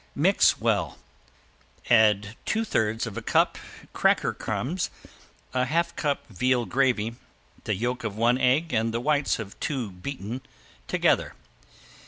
Mix well, add two thirds of a cup cracker crumbs, a half cup veal gravy, the yolk of one egg and the whites of two beaten together.